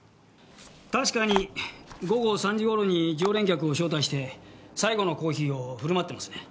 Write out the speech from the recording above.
確かに午後３時頃に常連客を招待して最後のコーヒーをふるまってますね。